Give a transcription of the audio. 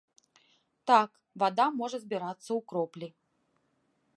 Так, вада можа збірацца ў кроплі.